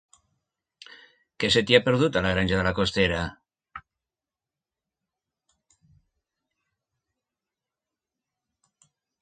Què se t'hi ha perdut, a la Granja de la Costera?